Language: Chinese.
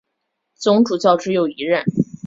总主教只有一任。